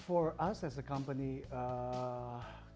untuk kami sebagai perusahaan